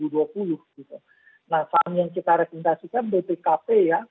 nah sam yang kita rekomendasikan btpkp ya